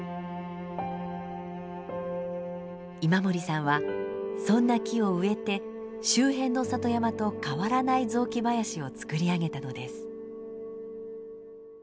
今森さんはそんな木を植えて周辺の里山と変わらない雑木林をつくり上げたのです。